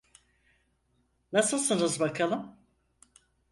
Nasılsınız bakalım?